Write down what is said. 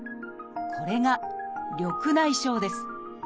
これが「緑内障」です。